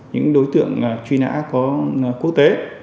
những đối tượng truy nã có quốc tế